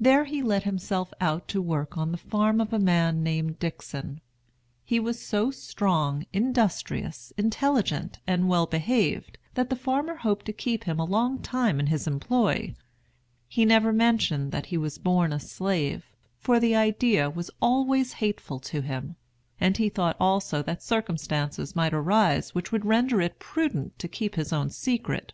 There he let himself out to work on the farm of a man named Dickson. He was so strong, industrious, intelligent, and well behaved, that the farmer hoped to keep him a long time in his employ. He never mentioned that he was born a slave; for the idea was always hateful to him, and he thought also that circumstances might arise which would render it prudent to keep his own secret.